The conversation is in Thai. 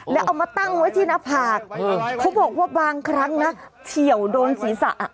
แล้วเอามาตั้งไว้ที่หน้าผากเขาบอกว่าบางครั้งนะเฉียวโดนศีรษะ